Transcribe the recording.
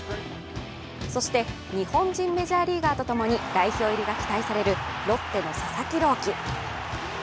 そして日本人メジャーリーガーとともに、代表入りが期待されるロッテの佐々木朗希。